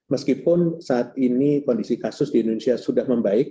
meskipun saat ini kondisi kasus di indonesia sudah membaik